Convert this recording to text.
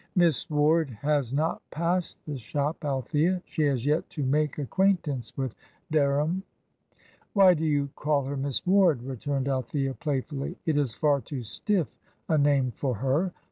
"Miss Ward has not passed the shop, Althea. She has yet to make acquaintance with Dereham." "Why do you call her Miss Ward?" returned Althea, playfully. "It is far too stiff a name for her.